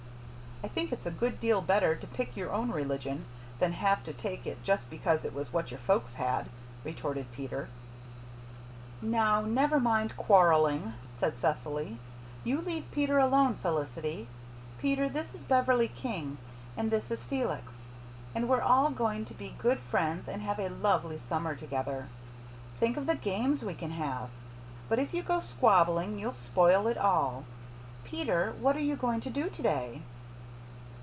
"I think it's a good deal better to pick your own religion than have to take it just because it was what your folks had," retorted Peter. "Now, never mind quarrelling," said Cecily. "You leave Peter alone, Felicity. Peter, this is Beverley King, and this is Felix. And we're all going to be good friends and have a lovely summer together. Think of the games we can have! But if you go squabbling you'll spoil it all. Peter, what are you going to do to day?"